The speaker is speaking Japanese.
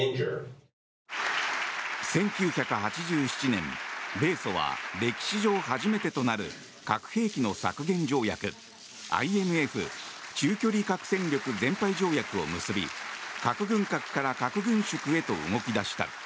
１９８７年、米ソは歴史上初めてとなる核兵器の削減条約ＩＮＦ・中距離核戦力全廃条約を結び核軍拡から核軍縮へと動き出した。